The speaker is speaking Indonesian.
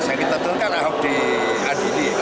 saya kira tentukan ahok diadili